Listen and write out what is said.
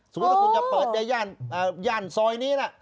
สมมุติถ้าคุณจะเปิดในย่านซอยนี้ล่ะ